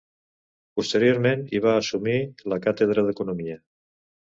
Posteriorment, hi va assumir la càtedra d'economia.